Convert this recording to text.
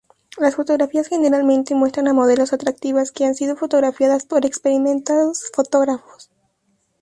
Las fotografías generalmente muestran a modelos atractivas que han sido fotografiadas por experimentados fotógrafos.